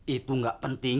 itu nggak penting